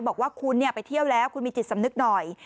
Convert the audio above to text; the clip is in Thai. บอกว่าคุณไปเที่ยวแล้วคุณมีจิตสำนึกหน่อย